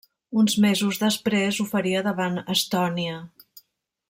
Uns mesos després, ho faria davant Estònia.